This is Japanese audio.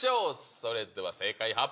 それでは正解発表。